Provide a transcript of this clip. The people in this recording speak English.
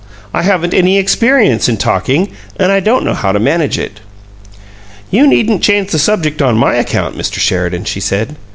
I haven't any experience in talking, and I don't know how to manage it." "You needn't change the subject on my account, Mr. Sheridan," she said.